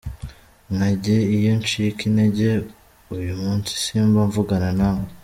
Nkanjye iyo ncika intege uyu munsi simba mvugana namwe.